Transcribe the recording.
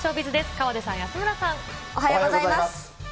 河出さん、おはようございます。